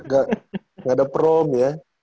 gak ada prom ya